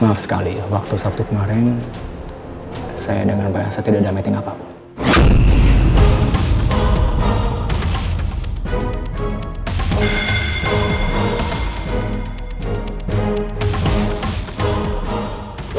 maaf sekali waktu sabtu kemarin saya dengan bayasa tidak ada meeting apapun